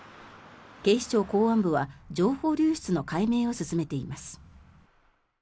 警視庁公安部は情報流出の解明を進めています。